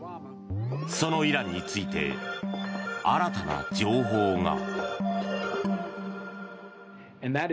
そのイランについて新たな情報が。